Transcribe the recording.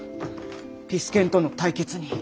ピス健との対決に。